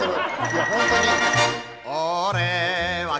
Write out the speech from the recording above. いや本当に。